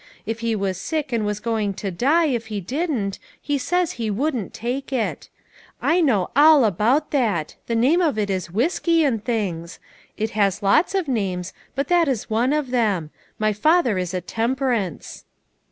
If he was sick and was going to die if he didn't, he says he wouldn't take it. I 244 LITTLE FISHERS: AND THEIR NETS. know all about that ; the name of it is whiskey, and things; it has lots of names, but that is one of them. My father is a temperance."